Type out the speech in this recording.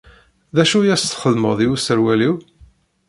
D acu i as-txedmeḍ i userwal-iw?